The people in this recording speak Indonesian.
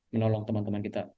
menolong teman teman kita